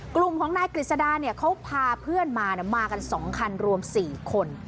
กลุ่มของนายกฤษดาเนี่ยเขาพาเพื่อนมาเนี่ยมากันสองคันรวมสี่คน